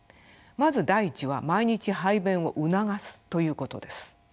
まず第１は毎日排便を促すということです。